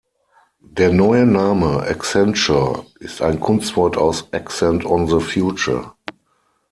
Der neue Name "Accenture" ist ein Kunstwort aus "Accent on the future".